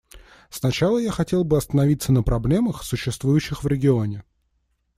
Сначала я хотел бы остановиться на проблемах, существующих в регионе.